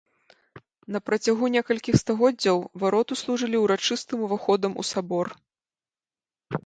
На працягу некалькіх стагоддзяў вароты служылі ўрачыстым уваходам у сабор.